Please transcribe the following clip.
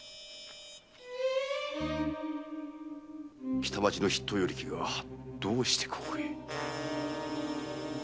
北町の筆頭与力がどうしてここへ？